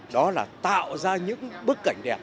đó là tạo ra những bức cảnh đẹp